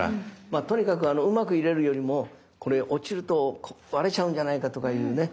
まあとにかくうまく入れるよりも「これ落ちると割れちゃうんじゃないか？」とかいうね